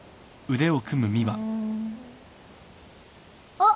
あっ。